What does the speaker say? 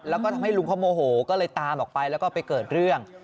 แล้วก็ทำให้ลุงเขาโมโหก็เลยตามออกไปแล้วก็ไปเกิดเรื่อง